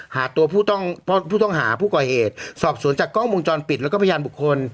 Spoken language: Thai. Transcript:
หาตัวผู้ต้องหาผู้ก่อเหตุสอบสวนจากกล้องวงจรปิดแล้วก็พยานบุคคล